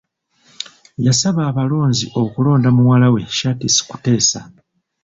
Yasaba abalonzi okulonda muwala we Shartsi Kuteesa.